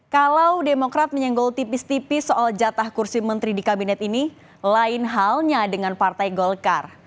kalau demokrat menyenggol tipis tipis soal jatah kursi menteri di kabinet ini lain halnya dengan partai golkar